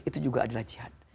itu juga adalah jihad